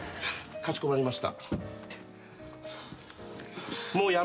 かしこまりました。